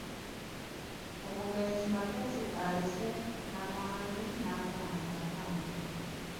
Omugenzi Magezi alese nnamwandu n’abaana bataano.